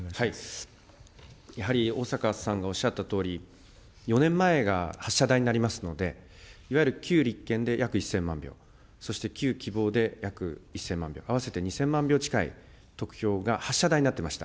やはり逢坂さんがおっしゃったとおり、４年前が発射台になりますので、いわゆる旧立憲で約１０００万票、そして旧希望で約１０００万票、合わせて２０００万票近い得票が、発射台になっていました。